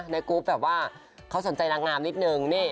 ในกรุ๊ปแบบว่าเขาสนใจรังลำนิดนึงเนี่ย